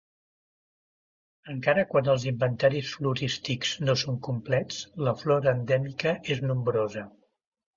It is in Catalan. Encara quan els inventaris florístics no són complets, la flora endèmica és nombrosa.